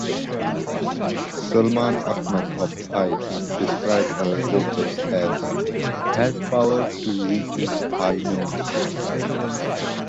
Salman Achmad of "Hai" described her vocals as "has power to reaches high notes".